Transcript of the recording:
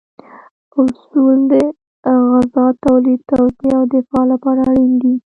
اصول د غذا تولید، توزیع او دفاع لپاره اړین دي.